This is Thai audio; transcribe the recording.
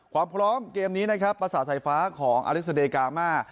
ความพร้อมเกมนี้นะครับภาษาไทยฟ้าของอลิซาเดยกามา